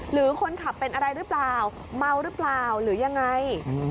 หรือคนขับเป็นอะไรหรือเปล่าเมาหรือเปล่าหรือยังไง